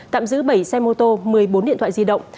tạm giữ bảy xe mô tô một mươi bốn điện thoại di động